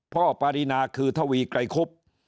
พ่อปรินาคือเทาวีไกรคุบ